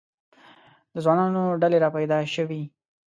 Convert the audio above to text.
د ځوانانو ډلې را پیدا شوې.